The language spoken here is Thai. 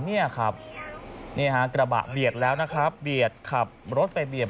เนี่ยครับนี่ฮะกระบะเบียดแล้วนะครับเบียดขับรถไปเบียด